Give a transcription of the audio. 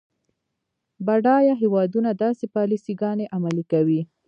بډایه هیوادونه داسې پالیسي ګانې عملي کوي.